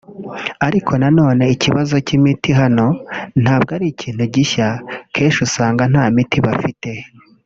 ariko nanone ikibazo cy’imiti hano ntabwo ari ikintu gishya kenshi usanga nta miti bafite